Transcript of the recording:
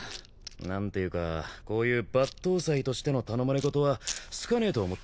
何ていうかこういう抜刀斎としての頼まれ事は好かねえと思ってたぜ。